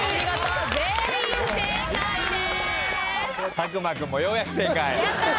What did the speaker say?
佐久間君もようやく正解。